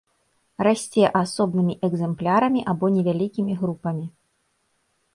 Расце асобнымі экземплярамі або невялікімі групамі.